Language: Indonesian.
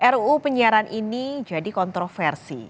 ruu penyiaran ini jadi kontroversi